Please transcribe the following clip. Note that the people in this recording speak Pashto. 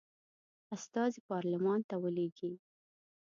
استازي پارلمان ته ولیږي.